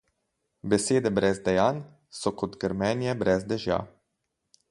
Besede brez dejanj so kot grmenje brez dežja.